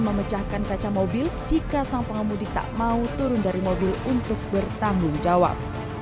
memecahkan kaca mobil jika sang pengemudi tak mau turun dari mobil untuk bertanggung jawab